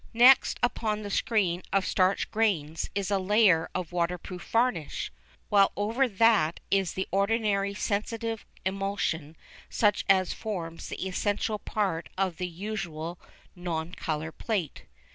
Next, upon the screen of starch grains is a layer of waterproof varnish, while over that is the ordinary sensitive emulsion such as forms the essential part of the usual non colour plate.